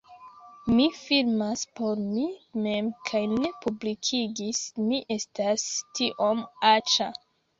Mi filmas por mi mem kaj ne publikigis, mi estas tiom aĉa